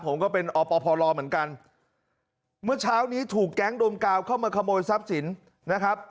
ผมก็เป็นอปพลเหมือนกันเมื่อเช้านี้ถูกแก๊งดมกาวเข้ามาขโมยทรัพย์สินนะครับ